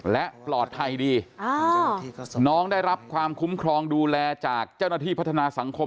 และปลอดภัยดีน้องได้รับความคุ้มครองดูแลจากเจ้าหน้าที่พัฒนาสังคม